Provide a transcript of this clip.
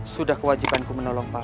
sudah kewajibanku menolong paman